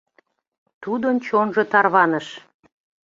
Тудын чонжо тарваныш.